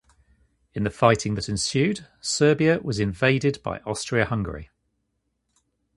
In the fighting that ensued, Serbia was invaded by Austria-Hungary.